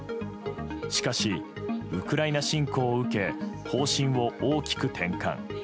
しかし、ウクライナ侵攻を受け方針を大きく転換。